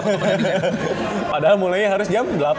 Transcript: padahal mulainya harus jam delapan